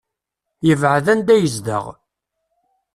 Yebɛed anda yezdeɣ.